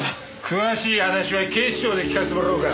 詳しい話は警視庁で聞かせてもらおうか。